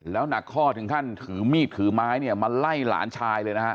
แล้วหนักข้อถึงขั้นถือมีดถือไม้เนี่ยมาไล่หลานชายเลยนะฮะ